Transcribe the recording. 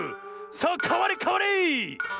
さあかわれかわれ！